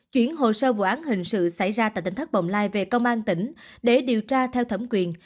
chuyển hồ sơ vụ án hình sự xảy ra tại tỉnh thất bồng lai về công an tỉnh để điều tra theo thẩm quyền